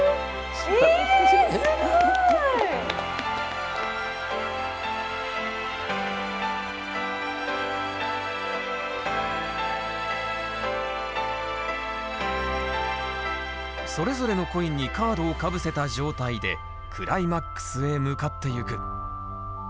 すごい！それぞれのコインにカードをかぶせた状態でクライマックスへ向かってゆく。